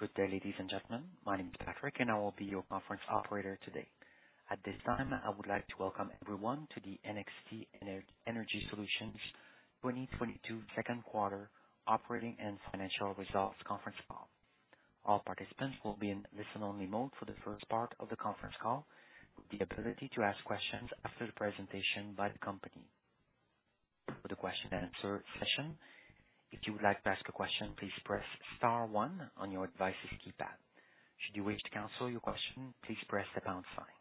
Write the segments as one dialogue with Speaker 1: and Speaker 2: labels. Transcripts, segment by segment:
Speaker 1: Good day, ladies and gentlemen. My name is Patrick, and I will be your conference operator today. At this time, I would like to welcome everyone to the NXT Energy Solutions 2022 Second Quarter Operating and Financial Results Conference Call. All participants will be in listen only mode for the first part of the conference call with the ability to ask questions after the presentation by the company. For the question and answer session, if you would like to ask a question, please press star one on your device's keypad. Should you wish to cancel your question, please press the pound sign.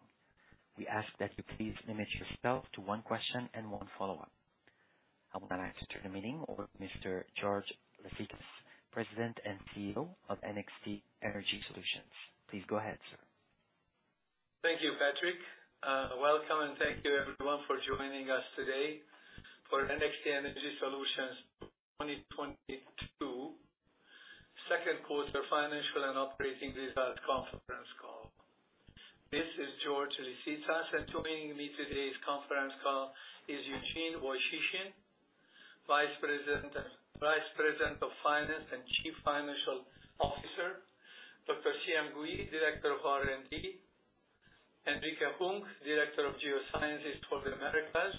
Speaker 1: We ask that you please limit yourself to one question and one follow-up. I would now like to turn the meeting over to Mr. George Liszicasz, President and CEO of NXT Energy Solutions. Please go ahead, sir.
Speaker 2: Thank you, Patrick. Welcome, and thank you everyone for joining us today for NXT Energy Solutions 2022 second quarter financial and operating results conference call. This is George Liszicasz, and joining me on today's conference call is Eugene Woychyshyn, Vice President of Finance and Chief Financial Officer, Dr. Xiang Gui, Director of R&D, Enrique Hung, Director of Geosciences for the Americas,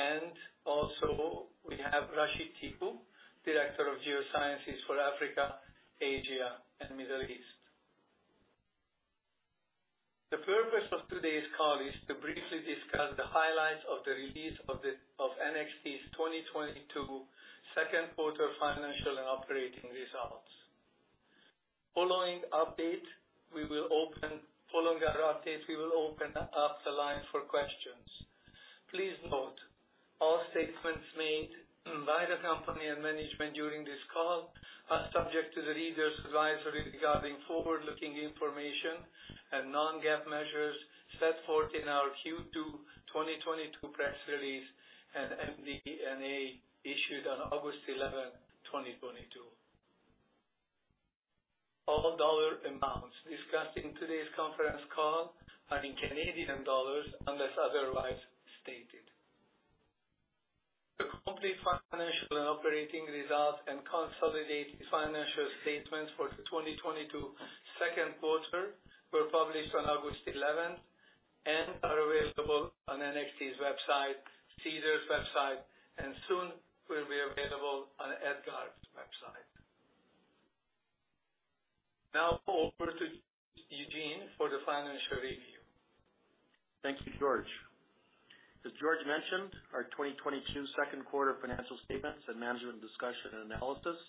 Speaker 2: and also we have Rashid Tippu, Director of Geosciences for Africa, Asia and Middle East. The purpose of today's call is to briefly discuss the highlights of the release of NXT's 2022 second quarter financial and operating results. Following our update, we will open up the line for questions. Please note, all statements made by the company and management during this call are subject to the reader's advisory regarding forward-looking information and non-GAAP measures set forth in our Q2 2022 press release and MD&A issued on August 11th, 2022. All dollar amounts discussed in today's conference call are in Canadian dollars unless otherwise stated. The complete financial and operating results and consolidated financial statements for the 2022 second quarter were published on August 11th and are available on NXT's website, SEDAR's website, and soon will be available on EDGAR's website. Now over to Eugene for the financial review.
Speaker 3: Thank you, George. As George mentioned, our 2022 second quarter financial statements and management discussion and analysis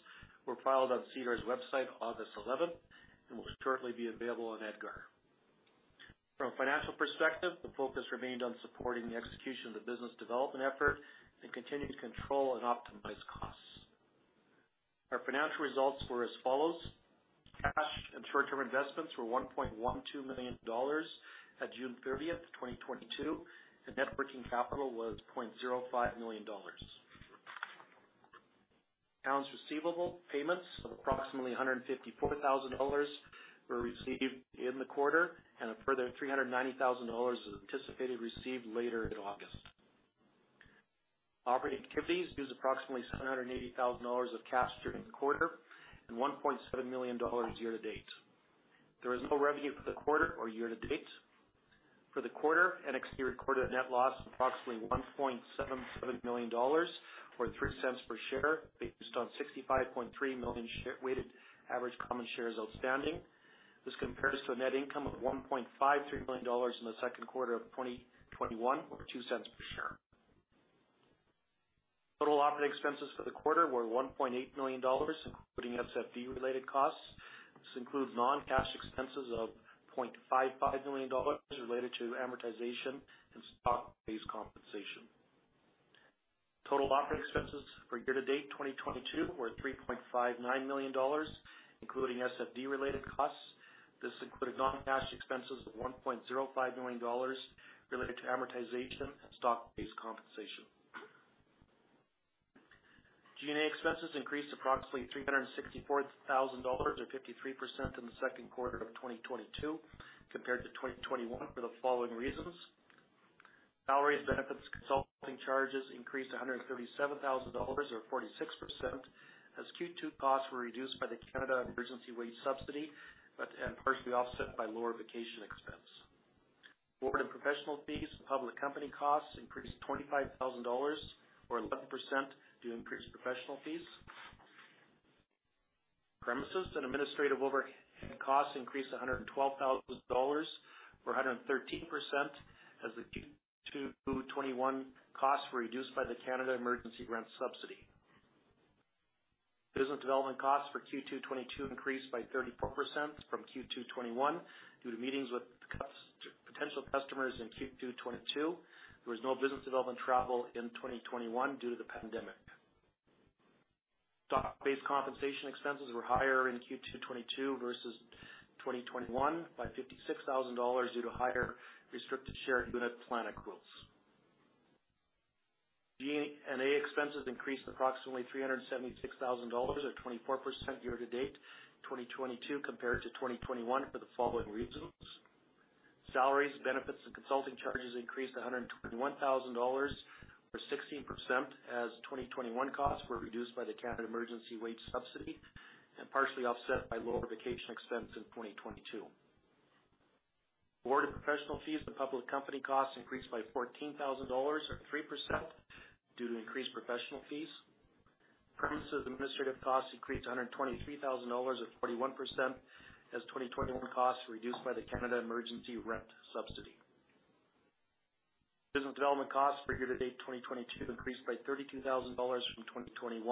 Speaker 3: were filed on SEDAR's website August 11th and will shortly be available on EDGAR. From a financial perspective, the focus remained on supporting the execution of the business development effort and continued to control and optimize costs. Our financial results were as follows. Cash and short-term investments were 1.12 million dollars at June 30th, 2022, and net working capital was 0.05 million dollars. Accounts receivable payments of approximately 154 thousand dollars were received in the quarter, and a further 390,000 dollars is anticipated received later in August. Operating activities used approximately 780,000 dollars of cash during the quarter and 1.7 million dollars year to date. There is no revenue for the quarter or year to date. For the quarter, NXT recorded a net loss of approximately 1.77 million dollars, or 0.03 per share, based on 65.3 million share-weighted average common shares outstanding. This compares to a net income of 1.53 million dollars in the second quarter of 2021, or 0.02 per share. Total operating expenses for the quarter were 1.8 million dollars, including SFD-related costs. This includes non-cash expenses of 0.55 million dollars related to amortization and stock-based compensation. Total operating expenses for year to date 2022 were CAD 3.59 million, including SFD-related costs. This included non-cash expenses of CAD 1.05 million related to amortization and stock-based compensation. G&A expenses increased approximately 364,000 dollars or 53% in the second quarter of 2022 compared to 2021 for the following reasons. Salaries, benefits, consulting charges increased 137,000 dollars or 46% as Q2 costs were reduced by the Canada Emergency Wage Subsidy, and partially offset by lower vacation expense. Board and professional fees, public company costs increased 25,000 dollars or 11% due to increased professional fees. Premises and administrative overhead costs increased 112,000 dollars or 113% as the Q2 2021 costs were reduced by the Canada Emergency Rent Subsidy. Business development costs for Q2 2022 increased by 34% from Q2 2021 due to meetings with potential customers in Q2 2022. There was no business development travel in 2021 due to the pandemic. Stock-based compensation expenses were higher in Q2 2022 versus 2021 by 56,000 dollars due to higher restricted share unit plan accruals. G&A expenses increased approximately 376,000 dollars or 24% year-to-date 2022 compared to 2021 for the following reasons. Salaries, benefits, and consulting charges increased 121,000 dollars or 16% as 2021 costs were reduced by the Canada Emergency Wage Subsidy and partially offset by lower vacation expense in 2022. Board and professional fees and public company costs increased by 14,000 dollars or 3% due to increased professional fees. Premises and administrative costs increased 123,000 dollars or 41% as 2021 costs were reduced by the Canada Emergency Rent Subsidy. Business development costs for year-to-date 2022 increased by CAD 32,000 from 2021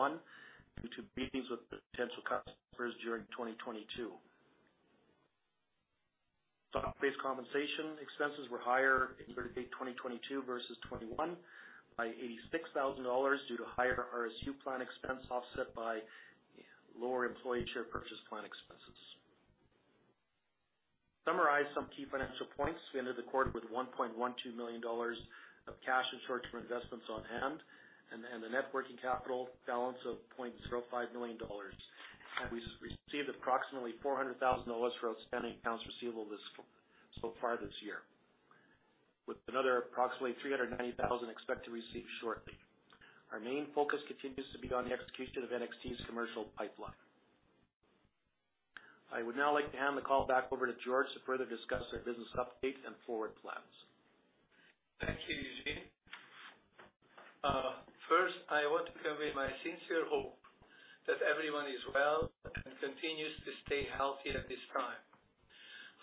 Speaker 3: due to meetings with potential customers during 2022. Stock-based compensation expenses were higher in year-to-date 2022 versus 2021 by 86,000 dollars due to higher RSU plan expense offset by lower employee share purchase plan expenses. Summarize some key financial points. We ended the quarter with 1.12 million dollars of cash and short-term investments on hand and a net working capital balance of 0.05 million dollars. We received approximately 400,000 dollars for outstanding accounts receivable so far this year, with another approximately 390,000 expected to receive shortly. Our main focus continues to be on the execution of NXT's commercial pipeline. I would now like to hand the call back over to George to further discuss our business updates and forward plans.
Speaker 2: Thank you, Eugene. First, I want to convey my sincere hope that everyone is well and continues to stay healthy at this time.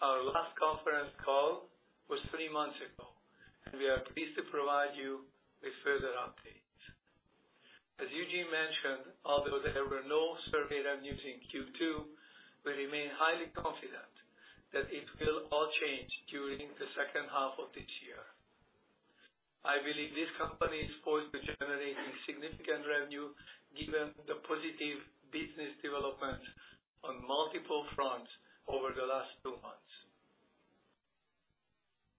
Speaker 2: Our last conference call was three months ago, and we are pleased to provide you with further updates. As Eugene mentioned, although there were no survey revenues in Q2, we remain highly confident that it will all change during the second half of this year. I believe this company is poised to generate significant revenue given the positive business development on multiple fronts over the last two months.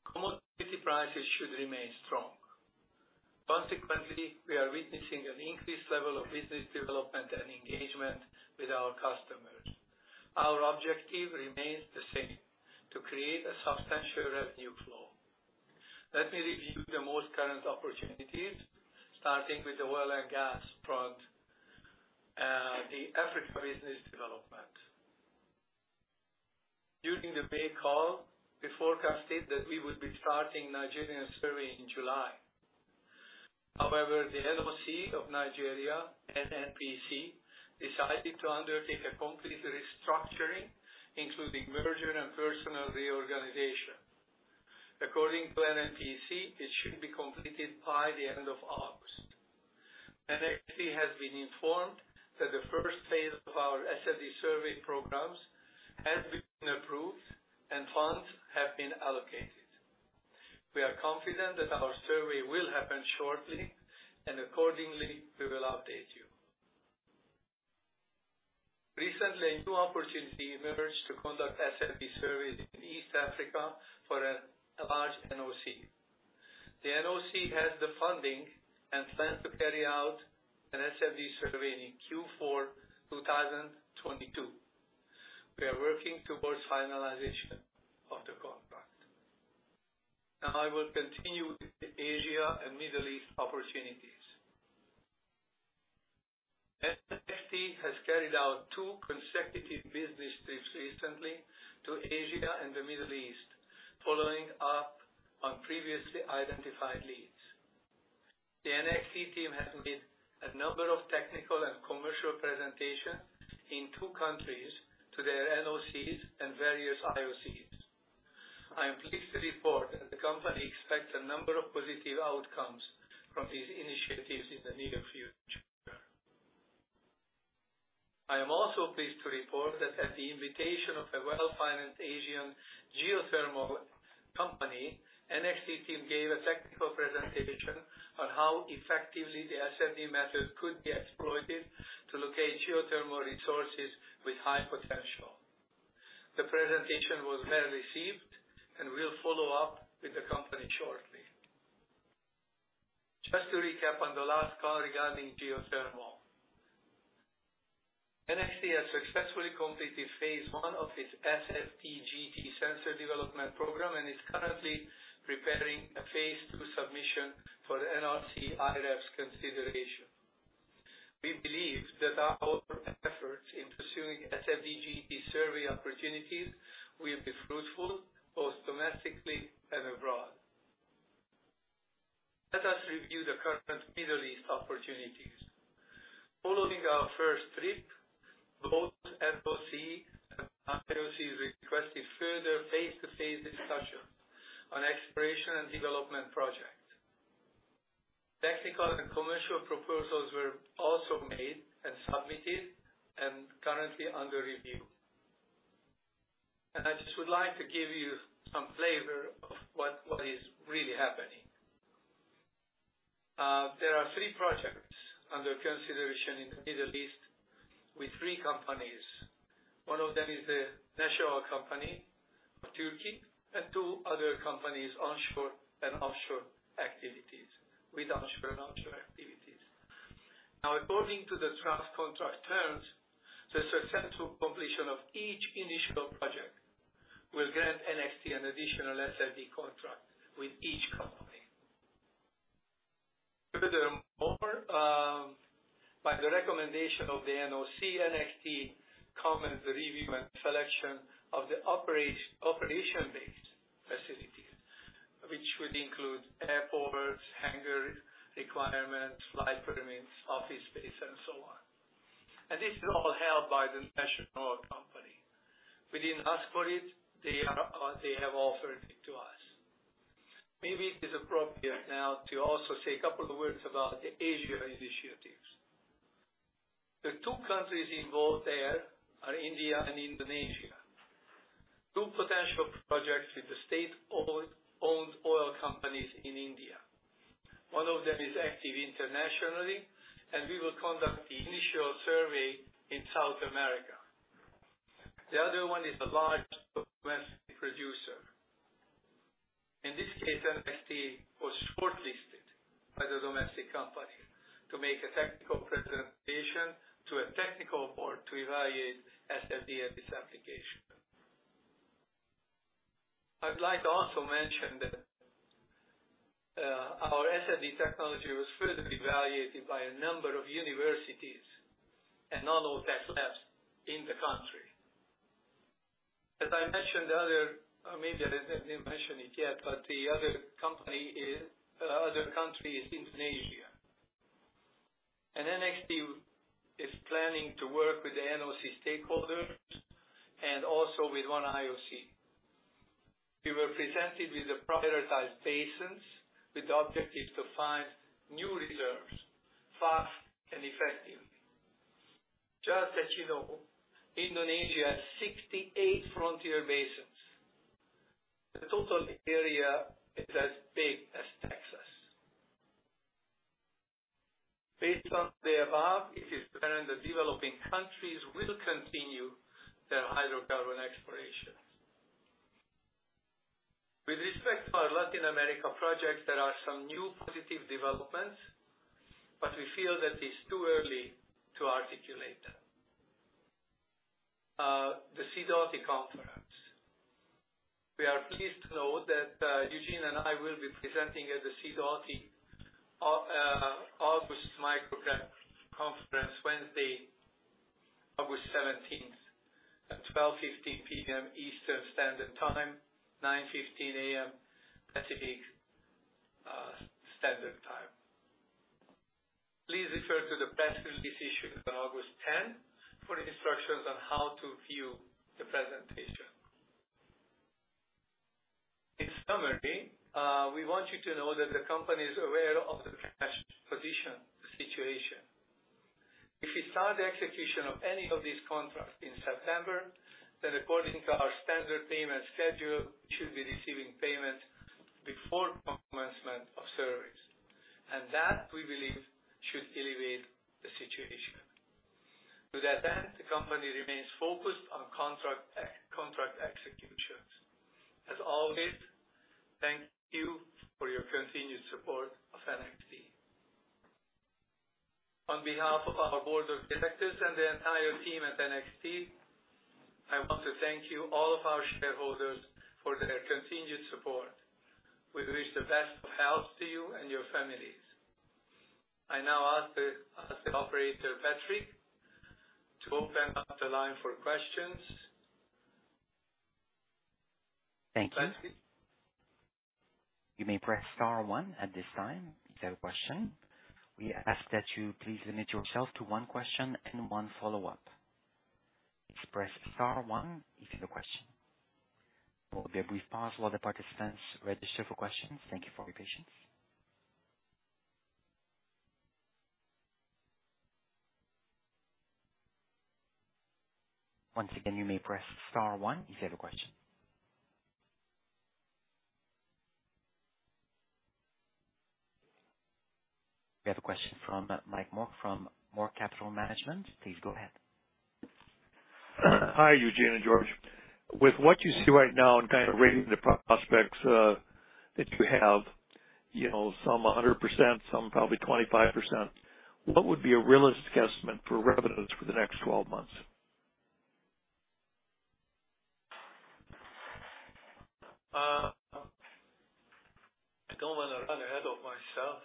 Speaker 2: Commodity prices should remain strong. Consequently, we are witnessing an increased level of business development and engagement with our customers. Our objective remains the same, to create a substantial revenue flow. Let me review the most current opportunities, starting with the oil and gas front, the Africa business development. During the May call, we forecasted that we would be starting Nigerian survey in July. However, the NOC of Nigeria, NNPC, decided to undertake a complete restructuring, including merger and personnel reorganization. According to NNPC, it should be completed by the end of August. NXT has been informed that the phase I of our SFD survey programs has been approved and funds have been allocated. We are confident that our survey will happen shortly, and accordingly, we will update you. Recently, a new opportunity emerged to conduct SFD surveys in East Africa for a large NOC. The NOC has the funding and plans to carry out an SFD survey in Q4 2022. We are working towards finalization of the contract. Now I will continue with the Asia and Middle East opportunities. NXT has carried out two consecutive business trips recently to Asia and the Middle East, following up on previously identified leads. The NXT team has made a number of technical and commercial presentations in two countries to their NOCs and various IOCs. I am pleased to report that the company expects a number of positive outcomes from these initiatives in the near future. I am also pleased to report that at the invitation of a well-financed Asian geothermal company, NXT team gave a technical presentation on how effectively the SFD method could be exploited to locate geothermal resources with high potential. The presentation was well received, and we'll follow up with the company shortly. Just to recap on the last call regarding geothermal. NXT has successfully completed phase one of its SFD GT sensor development program and is currently preparing a phase-two submission for the NRC IRAP consideration. We believe that our efforts in pursuing SFD survey opportunities will be fruitful, both domestically and abroad. Let us review the current Middle East opportunities. Following our first trip, both NOC and IOC requested further face-to-face discussion on exploration and development projects. Technical and commercial proposals were also made and submitted and currently under review. I just would like to give you some flavor of what is really happening. There are three projects under consideration in the Middle East with three companies. One of them is the national company of Turkey and two other companies, onshore and offshore activities with onshore and offshore. Now according to the trust contract terms, the successful completion of each initial project will grant NXT an additional SFD contract with each company. Furthermore, by the recommendation of the NOC, NXT conducts the review and selection of the operation-based facilities, which would include airports, hangar requirements, flight permits, office space, and so on. This is all held by the National Oil Company. We didn't ask for it; they have offered it to us. Maybe it is appropriate now to also say a couple of words about the Asia initiatives. The two countries involved there are India and Indonesia. Two potential projects with the state-owned oil companies in India. One of them is active internationally, and we will conduct the initial survey in South America. The other one is a large domestic producer. In this case, NXT was shortlisted by the domestic company to make a technical presentation to a technical board to evaluate SFD's application. I'd like to also mention that, our SFD technology was further evaluated by a number of universities and all of their labs in the country. Or maybe I didn't mention it yet, but the other country is Indonesia. NXT is planning to work with the NOC stakeholders and also with one IOC. We were presented with the prioritized basins with the objective to find new reserves fast and effectively. Just that you know, Indonesia has 68 frontier basins. The total area is as big as Texas. Based on the above, it is clear the developing countries will continue their hydrocarbon exploration. With respect to our Latin America projects, there are some new positive developments, but we feel that it's too early to articulate them. The Sidoti Conference. We are pleased to know that Eugene and I will be presenting at the Sidoti August Microcap Conference, Wednesday, August 17th at 12:15 P.M. Eastern Standard Time, 9:15 A.M. Pacific Standard Time. Please refer to the press release issued on August 10 for instructions on how to view the presentation. In summary, we want you to know that the company is aware of the cash position situation. If we start the execution of any of these contracts in September, then according to our standard payment schedule, we should be receiving payment before commencement of surveys. That, we believe, should alleviate the situation. With that said, the company remains focused on contract executions. As always, thank you for your continued support of NXT. On behalf of our board of directors and the entire team at NXT, I want to thank you, all of our shareholders for their continued support. We wish the best of health to you and your families. I now ask the operator, Patrick, to open up the line for questions.
Speaker 1: Thank you.
Speaker 2: Patrick.
Speaker 1: You may press star one at this time if you have a question. We ask that you please limit yourself to one question and one follow-up. Express star one if you have a question. There will be a brief pause while the participants register for questions. Thank you for your patience. Once again, you may press star one if you have a question. We have a question from Mike Moore from Moore Capital Management. Please go ahead.
Speaker 4: Hi, Eugene and George. With what you see right now in kind of rating the prospects that you have, you know, some at 100%, some probably 25%. What would be a realistic estimate for revenues for the next 12 months?
Speaker 2: I don't wanna run ahead of myself.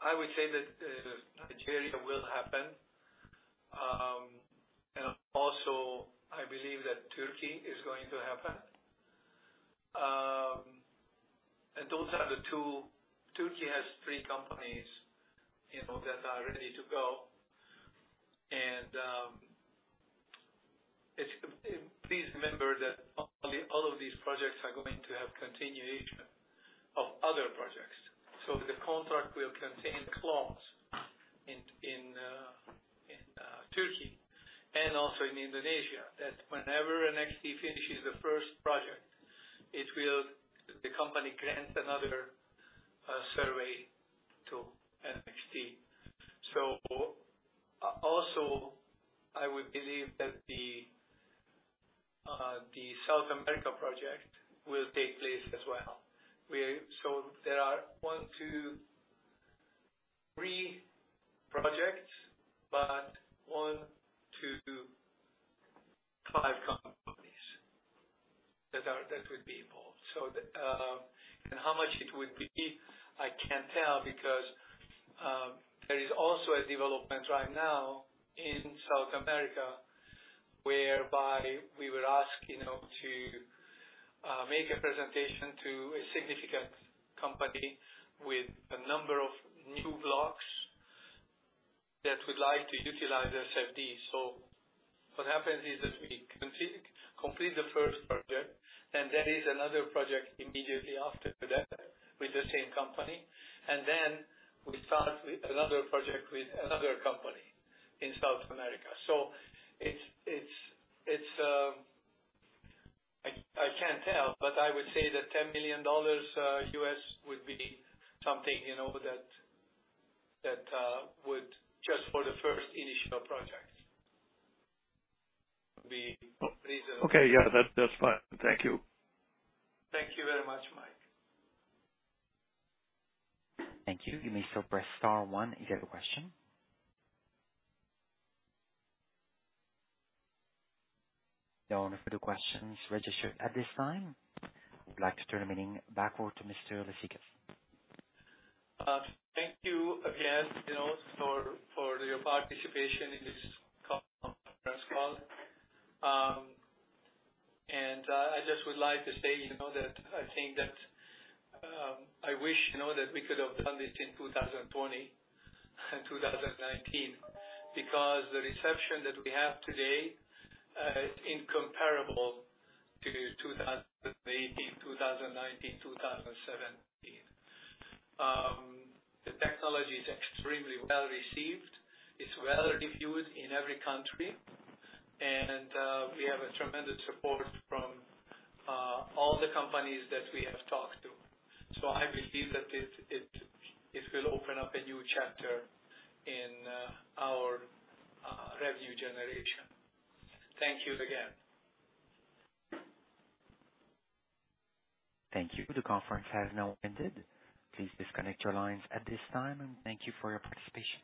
Speaker 2: I would say that Nigeria will happen. I believe that Turkey is going to happen. Turkey has three companies, you know, that are ready to go. Please remember that all of these projects are going to have continuation of other projects. The contract will contain clause in Turkey and also in Indonesia, that whenever NXT finishes the first project, it will. The company grants another survey to NXT. I would believe that the South America project will take place as well. There are one-three projects, but one-five companies that would be involved. How much it would be, I can't tell because there is also a development right now in South America whereby we were asked, you know, to make a presentation to a significant company with a number of new blocks that would like to utilize SFD. What happens is that we complete the first project, and there is another project immediately after that with the same company. Then we start with another project with another company in South America. I can't tell, but I would say that $10 million would be something, you know, that would just for the first initial projects.
Speaker 4: Okay. Yeah. That, that's fine. Thank you.
Speaker 2: Thank you very much, Mike.
Speaker 1: Thank you. You may still press star one if you have a question. No further questions registered at this time. I'd like to turn the meeting back over to Mr. Liszicasz.
Speaker 2: Thank you again, you know, for your participation in this conference call. I just would like to say, you know, that I think that I wish, you know, that we could have done this in 2020 and 2019 because the reception that we have today is incomparable to 2018, 2019, 2017. The technology is extremely well-received. It's well-reviewed in every country, and we have a tremendous support from all the companies that we have talked to. I believe that it will open up a new chapter in our revenue generation. Thank you again.
Speaker 1: Thank you. The conference has now ended. Please disconnect your lines at this time, and thank you for your participation.